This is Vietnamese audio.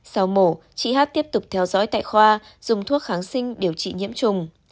sau mổ chị hát tiếp tục theo dõi tại khoa dùng thuốc kháng sinh điều trị nhiễm trùng